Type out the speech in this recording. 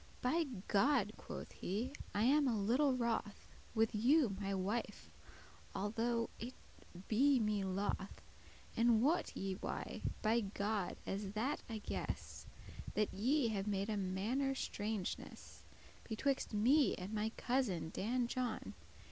"By God," quoth he, "I am a little wroth With you, my wife, although it be me loth; And wot ye why? by God, as that I guess, That ye have made a *manner strangeness* *a kind of estrangement* Betwixte me and my cousin, Dan John.